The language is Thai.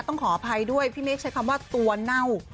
ขออภัยด้วยพี่เมฆใช้คำว่าตัวเน่า